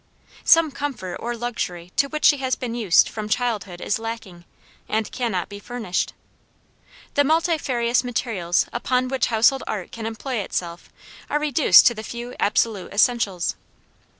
Some comfort or luxury to which she has been used from childhood is lacking, and cannot be furnished. The multifarious materials upon which household art can employ itself are reduced to the few absolute essentials.